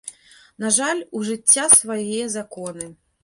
На жаль, у жыцця свае законы.